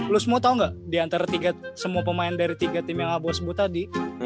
lo semua tau gak diantara semua pemain dari tiga tim yang abu abu tadi